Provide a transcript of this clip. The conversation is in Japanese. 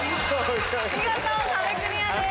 見事壁クリアです。